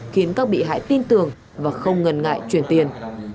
khiến các bị hại tin tưởng và không ngần ngại chuyển tiền